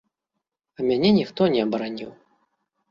А мяне ніхто не абараніў.